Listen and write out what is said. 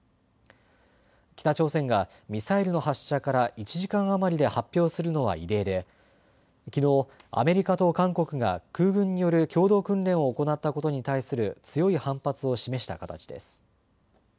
北朝鮮がミサイルの発射から１時間余りで発表するのは異例できのうアメリカと韓国が空軍による共同訓練を行ったことに対する強い反発を示した形です。